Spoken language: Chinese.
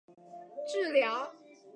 现在都倾向于大剂量治疗。